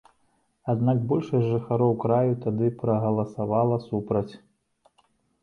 Аднак большасць жыхароў краю тады прагаласавала супраць.